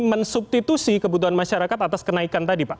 mensubstitusi kebutuhan masyarakat atas kenaikan tadi pak